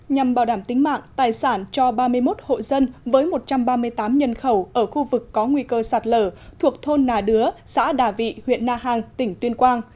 nhằm bảo đảm tính mạng tài sản cho ba mươi một hộ dân với một trăm ba mươi tám nhân khẩu ở khu vực có nguy cơ sạt lở thuộc thôn nà đứa xã đà vị huyện na hàng tỉnh tuyên quang